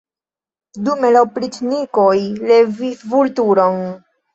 Dume la opriĉnikoj levis Vulturon.